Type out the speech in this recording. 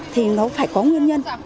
thì nó phải có nguyên nhân